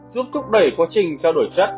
giúp thúc đẩy quá trình cho đổi chất